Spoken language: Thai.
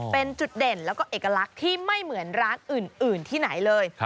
เป็นจุดเด่นแล้วก็เอกลักษณ์ที่ไม่เหมือนร้านอื่นที่ไหนเลย